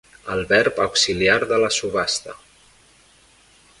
El verb auxiliar de la subhasta.